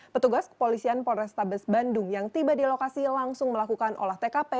petugas kepolisian polrestabes bandung yang tiba di lokasi langsung melakukan olah tkp